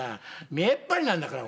見えっ張りなんだから。